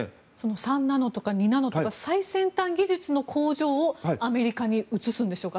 ３ナノとか２ナノとか最先端技術の工場をアメリカに移すんでしょうか。